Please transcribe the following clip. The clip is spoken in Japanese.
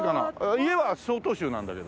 家は曹洞宗なんだけど。